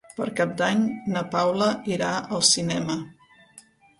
Per Cap d'Any na Paula irà al cinema.